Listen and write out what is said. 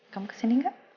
kamu kesini enggak